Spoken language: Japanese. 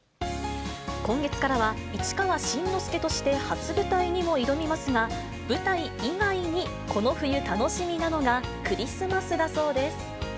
今月からは、市川新之助として初舞台にも挑みますが、舞台以外にこの冬楽しみなのがクリスマスだそうです。